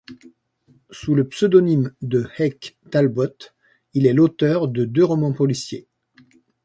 Sous le pseudonyme de Hake Talbot, il est l’auteur de deux romans policiers.